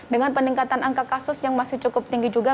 dengan peningkatan angka kasus yang masih cukup tinggi juga